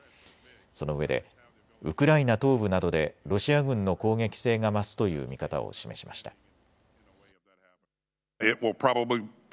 そのうえでウクライナ東部などでロシア軍の攻撃性が増すという見方を示しました。